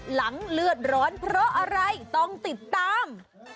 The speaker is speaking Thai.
หลังเลือดร้อนเพราะอะไรต้องติดตาม